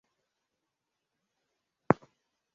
limesema kuwa lipo tayari kuchukua jukumu la kuishambulia libya